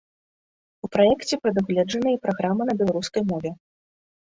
У праекце прадугледжаныя і праграмы на беларускай мове.